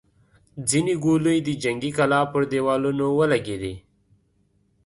ځينې ګولۍ د جنګي کلا پر دېوالونو ولګېدې.